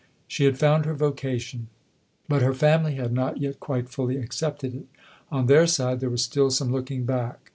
She had found her vocation. But her family had not yet quite fully accepted it. On their side there was still some looking back.